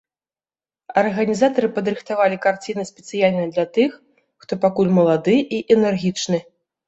Арганізатары падрыхтавалі карціны спецыяльна для тых, хто пакуль малады і энергічны.